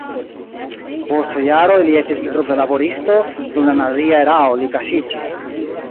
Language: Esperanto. Post jaroj li estis trudlaboristo, dum la nazia erao li kaŝiĝis.